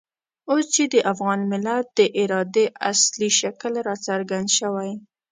اوس چې د افغان ملت د ارادې اصلي شکل را څرګند شوی.